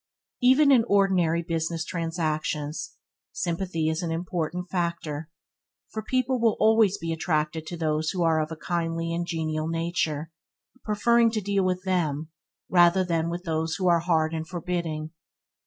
Even in ordinary business transactions, sympathy is an important factor, for people will always be attracted to those who are of a kindly and genial nature, preferring to deal with them rather than with those who are hard and forbidding.